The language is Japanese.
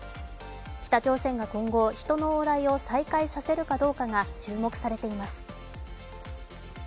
北朝鮮が今後、人の往来を再開させるかどうかが注目されています。